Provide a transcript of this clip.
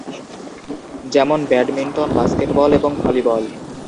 যেমন badminton, basketball এবং volleyball.